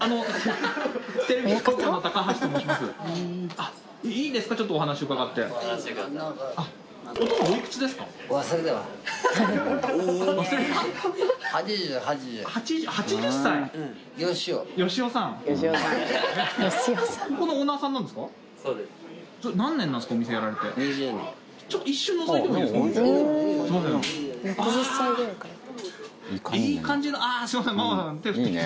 あぁいい感じの。